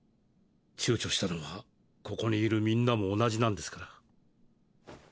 ちゅうちょしたのはここにいるみんなも同じなんですから。